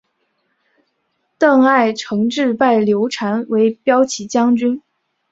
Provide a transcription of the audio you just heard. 邓艾承制拜刘禅为骠骑将军。